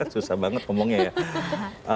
susah banget ngomongnya ya